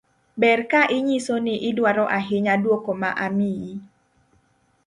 ber ka inyiso ni idwaro ahinya duoko ma imiyi